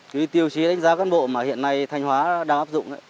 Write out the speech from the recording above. cái tiêu chí đánh giá cán bộ mà hiện nay thanh hóa đang áp dụng